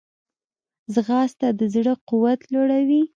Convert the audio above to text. ځغاسته د زړه قوت لوړوي